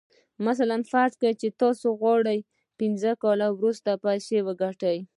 مثلاً فرض کړئ چې تاسې غواړئ پينځه کاله وروسته پيسې وګټئ.